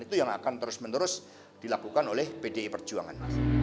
itu yang akan terus menerus dilakukan oleh pdi perjuangan